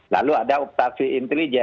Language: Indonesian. lalu ada operasi intelijen